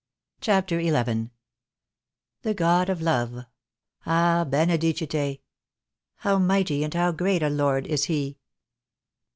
CHAPTER XI. "The God of love — ah, benedicite! How mighty and how great a Lord is he!"